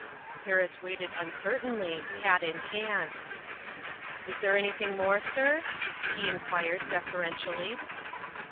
Harris waited uncertainly, hat in hand. " Is there anything more, sir?" he inquired defer entially.